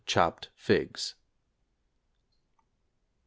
chopped figs. =90.